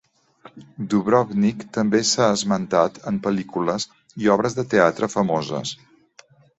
Dubrovnik també s'ha esmentat en pel·lícules i obres de teatre famoses.